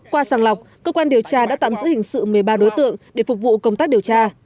qua sàng lọc cơ quan điều tra đã tạm giữ hình sự một mươi ba đối tượng để phục vụ công tác điều tra